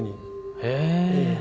へえ！